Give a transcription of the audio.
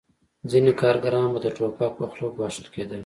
ځینې کارګران به د ټوپک په خوله ګواښل کېدل